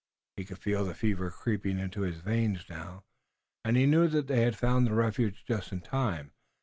He could feel the fever creeping into his veins now, and he knew that they had found the refuge just in time.